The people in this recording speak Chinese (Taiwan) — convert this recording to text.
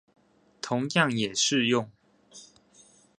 同樣也適用